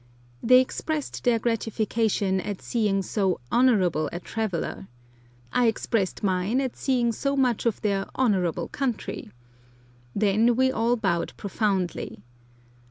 They expressed their gratification at seeing so "honourable" a traveller. I expressed mine at seeing so much of their "honourable" country. Then we all bowed profoundly.